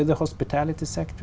trước tất cả